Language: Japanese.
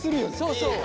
そうそう。